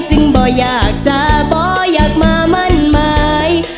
จึงบ่อยอยากจะบ่อยอยากมามั่นมาย